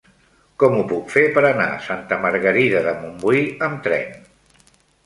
Com ho puc fer per anar a Santa Margarida de Montbui amb tren?